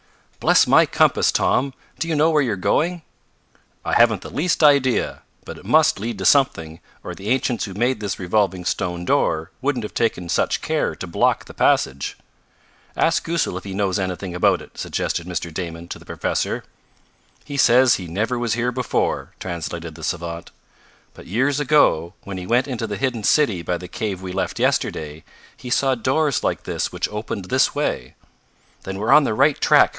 "Bless my compass, Tom! do you know where you're going?" "I haven't the least idea, but it must lead to something, or the ancients who made this revolving stone door wouldn't have taken such care to block the passage." "Ask Goosal if he knows anything about it," suggested Mr. Damon to the professor. "He says he never was here before," translated the savant, "but years ago, when he went into the hidden city by the cave we left yesterday, he saw doors like this which opened this way." "Then we're on the right track!"